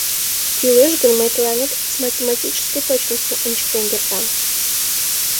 — Кӱлеш гын, мый тыланет с математической точностью ончыктен кертам.